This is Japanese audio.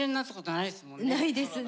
ないですね。